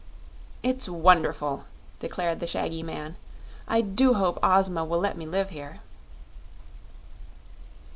"It's wonderful!" declared the shaggy man. "I do hope Ozma will let me live here."